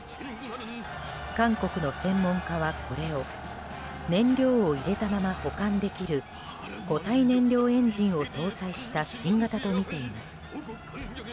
韓国の専門家はこれを燃料を入れたまま保管できる固体燃料エンジンを搭載した新型とみています。